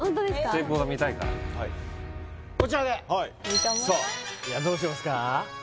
成功が見たいからこちらではいさあいやどうしますか？